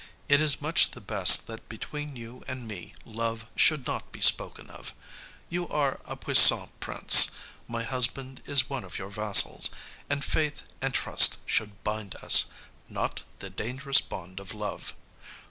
It is much the best that between you and me love should not be spoken of. You are a puissant prince; my husband is one of your vassals, and faith and trust should bind us not the dangerous bond of love.